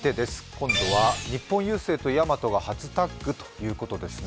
今度は日本郵政とヤマトが初タッグということですね。